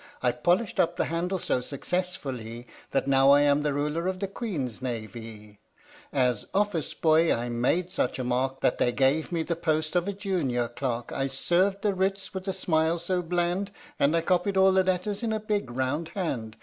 I polished up that handle so successfullee That now I am the Ruler of the Queen's Navee. As office boy I made such a mark That they gave me the post of a junior clerk; I served the writs with a smile so bland, And I copied all the letters in a big round hand.